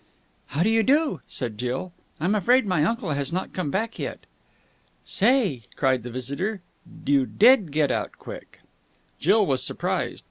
"How do you do?" said Jill. "I'm afraid my uncle has not come back yet...." "Say!" cried the visitor. "You did get out quick!" Jill was surprised.